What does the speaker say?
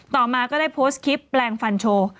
ต่อมาก็ได้โพสต์คลิปแปลงฟันโชว์